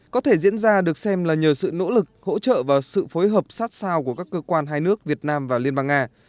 có thể diễn ra được xem là nhờ sự nỗ lực hỗ trợ và sự phối hợp sát sao của các cơ quan hai nước việt nam và liên bang nga